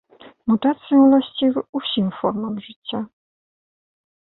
Мутацыі ўласцівы ўсім формам жыцця.